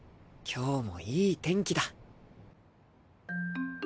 今日もいい天気だ。